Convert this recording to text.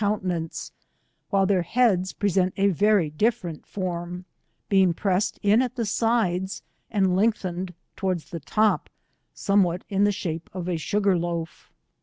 countenance, while their heads present a very diffe tent form, being pressed in at the sides and length ened towards the top, somewhat in the shape of a sugar loaf.